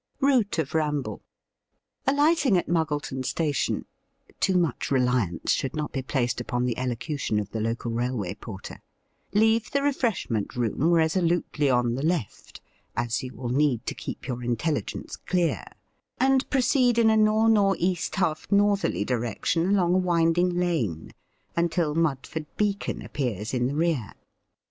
Route of Ramble. Alighting at Muggleton Station (too much reliance should not be placed upon the elocution of the local railway porter) leave the refreshment room resolutely on the left (as you will need to keep your intelligence clear), and proceed in a north north east half northerly direction along a winding lane, until Mudford Beacon appears in the rear.